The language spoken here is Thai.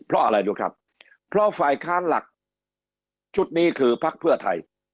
เพราะอะไรรู้ครับเพราะฝ่ายค้านหลักชุดนี้คือพักเพื่อไทย